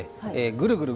ぐるぐる！